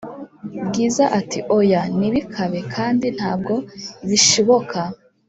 Bwiza ati"oya ntibikabe kandi ntabwo bishiboka